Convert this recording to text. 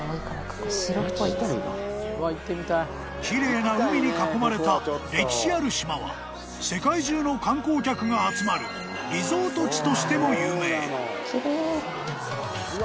［奇麗な海に囲まれた歴史ある島は世界中の観光客が集まるリゾート地としても有名］